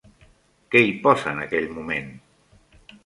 Què hi posa en aquell moment?